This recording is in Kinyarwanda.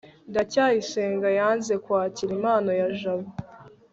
ndacyayisenga yanze kwakira impano ya jabo